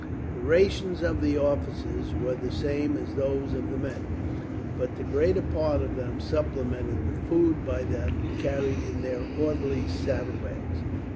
The rations of the officers were the same as those of the men, but the greater part of them supplemented the food by that carried in their orderlies' saddlebags.